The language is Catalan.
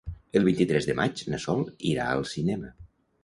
El vint-i-tres de maig na Sol irà al cinema.